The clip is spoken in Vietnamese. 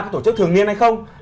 tổ chức thường niên hay không